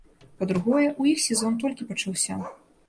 Па-другое, у іх сезон толькі пачаўся.